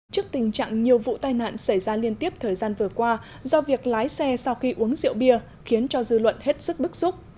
trước tình trạng nhiều vụ tai nạn xảy ra liên tiếp thời gian vừa qua do việc lái xe sau khi uống rượu bia khiến cho dư luận hết sức bức xúc